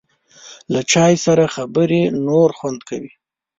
له چای سره خبرې نور خوند کوي.